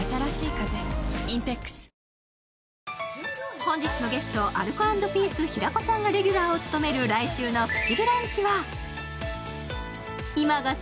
本日のゲスト、アルコ＆ピース・平子さんがレギュラーを務める来週の「プチブランチ」は今が旬！